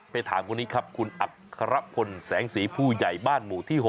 ถามคนนี้ครับคุณอัครพลแสงสีผู้ใหญ่บ้านหมู่ที่๖